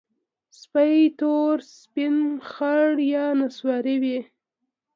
سپي تور، سپین، خړ یا نسواري وي.